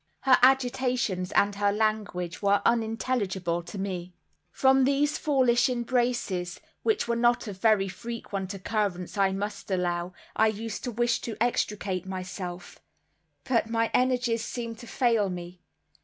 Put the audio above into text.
Her agitations and her language were unintelligible to me. From these foolish embraces, which were not of very frequent occurrence, I must allow, I used to wish to extricate myself; but my energies seemed to fail me.